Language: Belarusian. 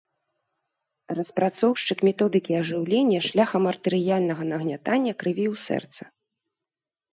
Распрацоўшчык методыкі ажыўлення шляхам артэрыяльнага нагнятання крыві ў сэрца.